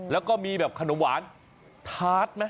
แล้วก็มีแบบขนมหวานทาสไหม